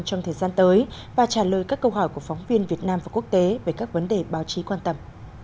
trong thời gian tới và trả lời các câu hỏi của phóng viên việt nam và quốc tế về các vấn đề báo chí quan tâm